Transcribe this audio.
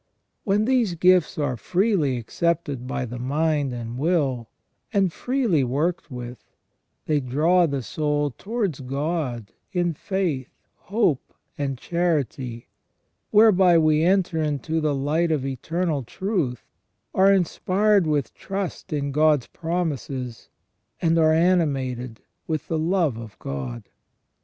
When these gifts are freely accepted by the mind and will, and freely worked with, they draw the soul towards God in faith, hope, and charity, whereby we enter into the light of eternal truth, are inspired with trust in God's promises, and are animated with the love of God.